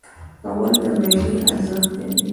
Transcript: غول د معاینې ارزښت لري.